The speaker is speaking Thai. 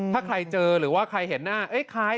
ถ้าใครเจอหรือว่าใครเห็นหน้าคล้าย